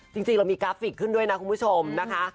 จริงเรามีกราฟิกขึ้นด้วยนะคุณผู้ชมนะคะ